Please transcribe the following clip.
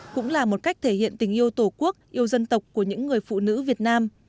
cũng là một cách thể hiện tình yêu tổ quốc yêu dân tộc của những người phụ nữ việt nam